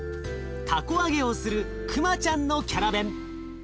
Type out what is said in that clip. たこ揚げをするくまちゃんのキャラベン。